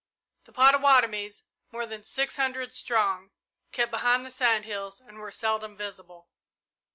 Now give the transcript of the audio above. The Pottawattomies, more than six hundred strong, kept behind the sand hills and were seldom visible.